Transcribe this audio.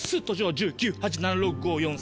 １０・９・８・７・６・５・４・３。